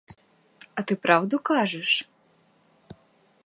А ти правду кажеш?